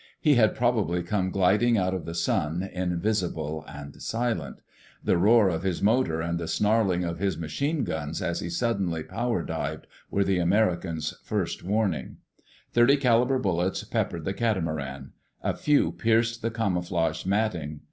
He had probably come gliding out of the sun, invisible and silent. The roar of his motor and the snarling of his machine guns, as he suddenly power dived, were the Americans' first warning. Thirty caliber bullets peppered the catamaran. A few pierced the camouflage matting.